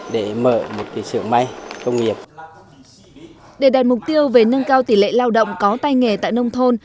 để đạt mục tiêu về nâng cao tỷ lệ lao động có tay nghề tại nông thôn